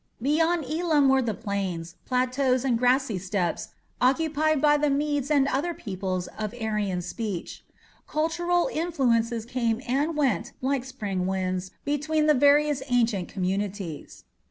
Beyond Elam were the plains, plateaus, and grassy steppes occupied by the Medes and other peoples of Aryan speech. Cultural influences came and went like spring winds between the various ancient communities.